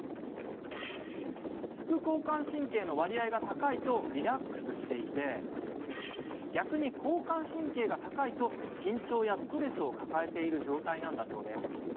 副交感神経の割合が高いとリラックスしていて逆に交感神経が高いと緊張やストレスを抱えている状態なんだそうです。